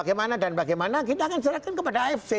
bagaimana dan bagaimana kita akan serahkan kepada afc